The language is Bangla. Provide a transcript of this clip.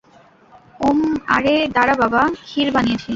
ওম, আরে দারা বাবা, ক্ষীর বানিয়েছি।